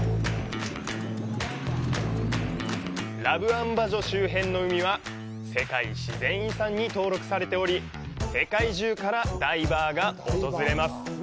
ラブアンバジョ周辺の海は世界自然遺産に登録されており、世界中からダイバーが訪れます。